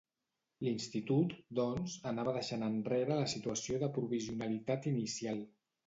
L'Institut, doncs, anava deixant enrere la situació de provisionalitat inicial.